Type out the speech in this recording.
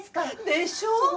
でしょう？